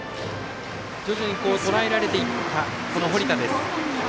徐々にとらえられていった堀田です。